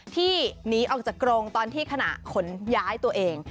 ที่หนีออกจากกรงตอนที่ขณะขนย้ายตัวเอง